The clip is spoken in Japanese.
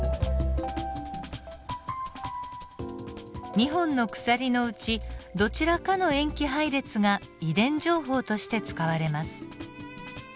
２本の鎖のうちどちらかの塩基配列が遺伝情報として使われます。